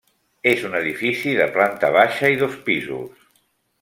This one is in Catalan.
És un edifici de planta baixa i dos pisos.